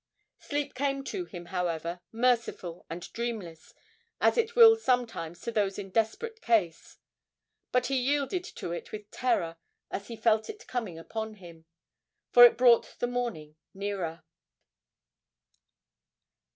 Sleep came to him, however, merciful and dreamless, as it will sometimes to those in desperate case, but he yielded to it with terror as he felt it coming upon him for it brought the morning nearer.